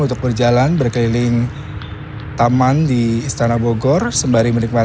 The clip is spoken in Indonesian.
untuk berjalan berkeliling taman di istana bogor sembari menikmati